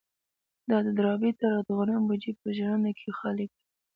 د ډاربي تره د غنمو بوجۍ په ژرنده کې خالي کړه.